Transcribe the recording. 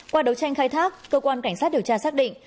qua đấu tranh khai thác cơ quan cảnh sát điều tra xác định